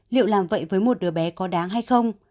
một trăm sáu mươi liệu làm vậy với một đứa bé có đáng hay không